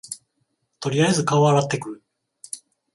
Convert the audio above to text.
とりあえず顔洗ってくる